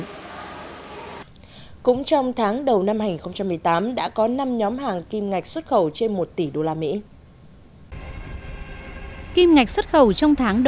cũng trong tháng đầu năm hai nghìn một mươi tám đã có năm nhóm hàng kim ngạch xuất khẩu trên một tỷ usd